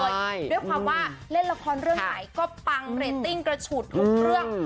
ด้วยความว่าเล่นละครเรื่องไหนก็ปังเรตติ้งกระฉุดทุกเรื่อง